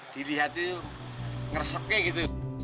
dilihat itu ngeresep kek gitu